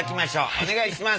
お願いします。